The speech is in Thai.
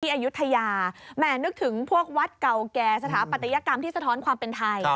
อายุทยาแหม่นึกถึงพวกวัดเก่าแก่สถาปัตยกรรมที่สะท้อนความเป็นไทย